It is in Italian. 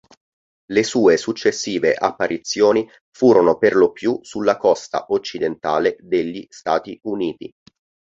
Le sue successive apparizioni furono per lo più sulla costa occidentale degli Stati Uniti.